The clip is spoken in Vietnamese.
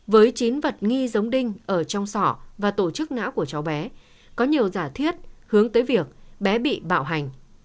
với chín vật nghi giống đinh ở trong sỏ và tổ chức não của cháu bé có nhiều giả thiết hướng tới việc bé bị bạo hành